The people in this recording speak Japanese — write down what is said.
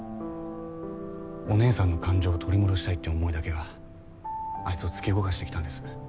お姉さんの感情を取り戻したいって思いだけがあいつを突き動かしてきたんです。